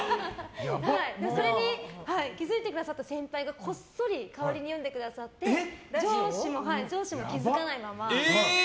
それに気づいてくださった先輩がこっそり代わりに読んでくださって上司も気づかないまま。